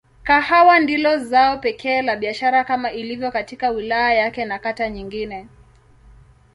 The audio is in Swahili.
Kahawa ndilo zao pekee la biashara kama ilivyo katika wilaya yake na kata nyingine.